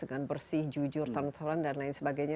dengan bersih jujur transparan dan lain sebagainya